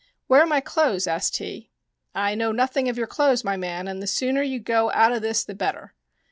" Where are my clothes ?" asked he. " I know nothing of your clothes, my man, and the sooner you go out o' this the better."